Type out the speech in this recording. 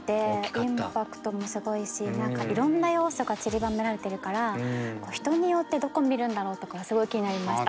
インパクトもすごいし何かいろんな要素がちりばめられてるから人によってどこ見るんだろうとかすごい気になりました。